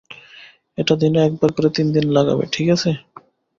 এটা দিনে একবার করে তিনদিন লাগাবে, ঠিক আছে?